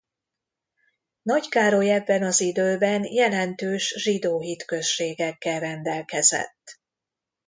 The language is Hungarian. Nagykároly ebben az időben jelentős zsidó hitközségekkel rendelkezett.